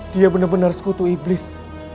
dia benar benar sekutu iblis